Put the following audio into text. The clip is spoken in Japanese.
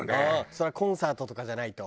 そりゃコンサートとかじゃないと。